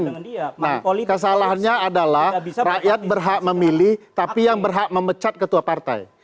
nah kesalahannya adalah rakyat berhak memilih tapi yang berhak memecat ketua partai